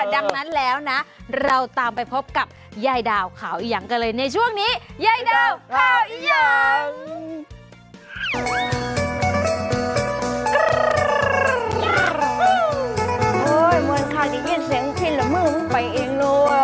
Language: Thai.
ดังนั้นแล้วนะเราตามไปพบกับยายดาวขาวอีกอย่างกันเลยในช่วงนี้ยายดาวเผาอีกอย่าง